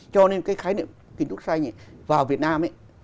cho nên cái khái niệm kiến trúc xanh vào việt nam ấy